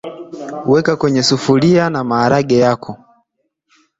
weka kwenye sufuria naharage yako